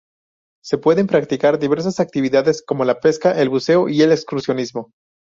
Se pueden practicar diversas actividades como la pesca, el buceo y excursionismo.